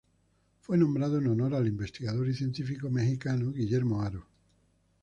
Fue nombrado en honor al investigador y científico mexicano Guillermo Haro.